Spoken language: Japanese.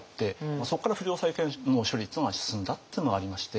そっから不良債権の処理っていうのが進んだっていうのがありまして。